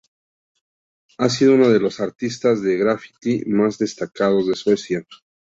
Ha sido uno de los artistas de graffiti más destacados de Suecia.